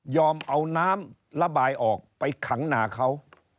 เอาน้ำระบายออกไปขังหนาเขา